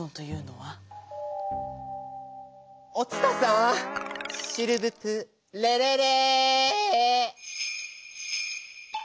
お伝さんシルヴプレレレ！